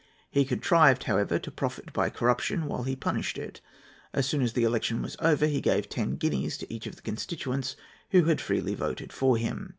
He contrived, however, to profit by corruption while he punished it. As soon as the election was over, he gave ten guineas to each of the constituents who had freely voted for him.